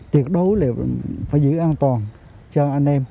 tuyệt đối là phải giữ an toàn cho anh em